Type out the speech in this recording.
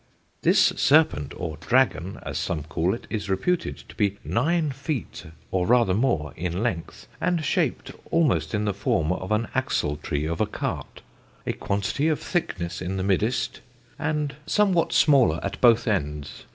"This serpent (or dragon, as some call it) is reputed to be nine feete, or rather more, in length, and shaped almost in the forme of an axeltree of a cart; a quantitie of thickness in the middest, and somewhat smaller at both endes.